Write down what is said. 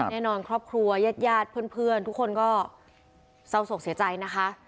แน่นอนครอบครัวยาดเพื่อนทุกคนก็เศร้าโศกเสียใจนะคะ